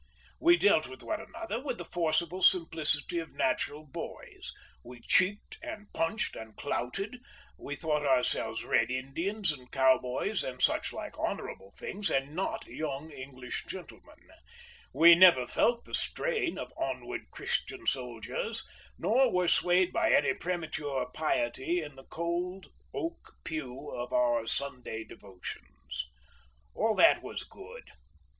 We dealt with one another with the forcible simplicity of natural boys, we "cheeked," and "punched" and "clouted"; we thought ourselves Red Indians and cowboys and such like honourable things, and not young English gentlemen; we never felt the strain of "Onward Christian soldiers," nor were swayed by any premature piety in the cold oak pew of our Sunday devotions. All that was good.